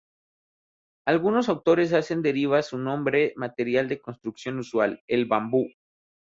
Algunos autores hacen derivar su nombre del material de construcción usual: el bambú.